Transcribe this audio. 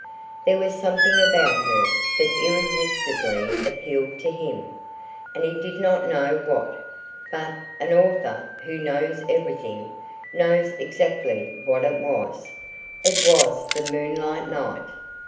There was "something about her" that irresistibly appealed to him, and he did not know what; but an author, who knows everything, knows exactly what it was. It was the moonlight night.